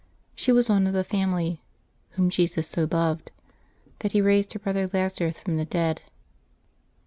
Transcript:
She was one of the family " whom Jesus so loved'' that He raised her brother Lazarus from the dead.